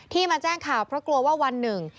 มาแจ้งข่าวเพราะกลัวว่าวันหนึ่ง